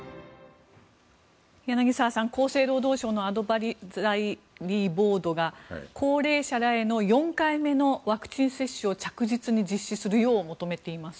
柳澤さん、厚生労働省のアドバイザリーボードが高齢者らへの４回目のワクチン接種を着実に実施するよう求めています。